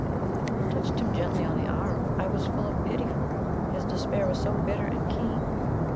I touched him gently on the arm. I was full of pity for him his despair was so bitter and keen.